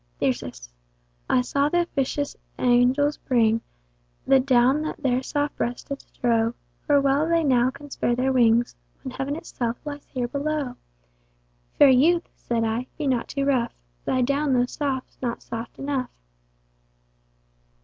Thyrsis. I saw th'officious angels bring, The down that their soft breasts did strow, For well they now can spare their wings, When Heaven itself lies here below. Fair youth (said I) be not too rough, Thy down though soft's not soft enough.